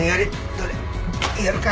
どれやるか。